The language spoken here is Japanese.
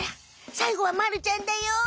さいごはまるちゃんだよ！